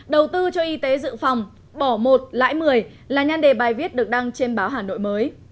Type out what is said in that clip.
đầu tư cho y tế dự phòng bỏ một lãi một mươi là nhan đề bài viết được đăng trên báo hà nội mới